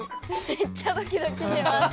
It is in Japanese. めっちゃドキドキしました。